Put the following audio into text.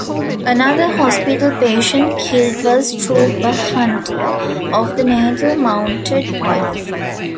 Another hospital patient killed was Trooper Hunter of the Natal Mounted Police.